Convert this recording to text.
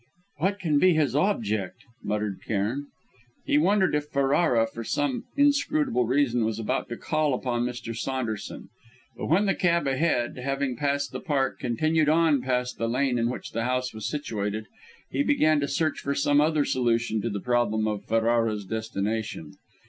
"What can be his object?" muttered Cairn. He wondered if Ferrara, for some inscrutable reason, was about to call upon Mr. Saunderson. But when the cab ahead, having passed the park, continued on past the lane in which the house was situated, he began to search for some other solution to the problem of Ferrara's destination.